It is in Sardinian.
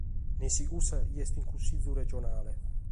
Nessi cussa chi est in Cussìgiu Regionale.